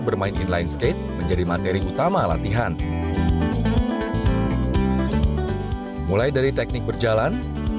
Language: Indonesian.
bermain inline skate menjadi materi utama latihan mulai dari teknik berjalan